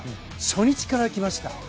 初日からいきました。